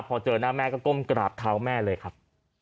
พอเจอหน้าแม่ก็ก้มกราบเท้าแม่เลยครับ